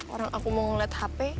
orang aku mau ngeliat hp